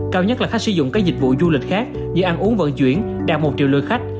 cao nhất là khách sử dụng các dịch vụ du lịch khác như ăn uống vận chuyển đạt một triệu lượt khách